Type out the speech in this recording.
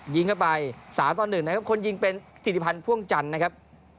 ยิงเข้าไป๓ต่อ๑นะครับคนยิงเป็นถิติพันธ์พ่วงจันทร์นะครับ